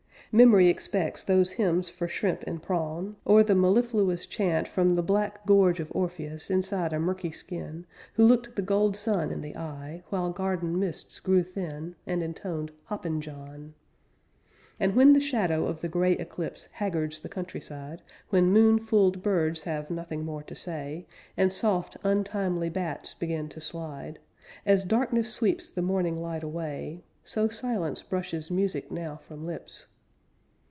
Memory expects those hymns for shrimp and prawn, Or the mellifluous chaunt from the black gorge Of Orpheus inside a murky skin, Who looked the gold sun in the eye While garden mists grew thin, And intoned "Hoppin' John!" As when the shadow of the gray eclipse Haggards the countryside, When moon fooled birds have nothing more to say, And soft untimely bats begin to slide; As darkness sweeps the morning light away, So silence brushes music now from lips.